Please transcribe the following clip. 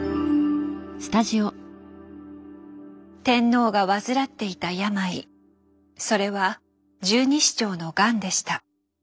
天皇が患っていた病それは「十二指腸のガン」でした。